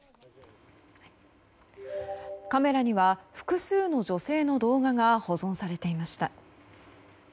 カメラには複数の女性の動画が保存されていました。